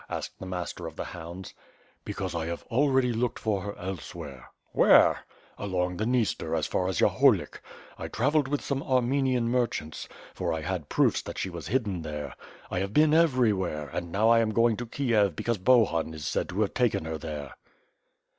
asked the Master of the Hounds. "Because I have already looked for her elsewhere." "Where?" "Along the Dniester, as far as Yahorlik. I travelled with some Armenian merchants, for I had proofs that she was hid den there. I have been everywhere, and now I am going to Kiev because Bohun is said to have taken her there."